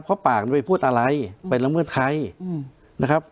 เพราะปากไปพูดอะไรเป็นเมื่อใคร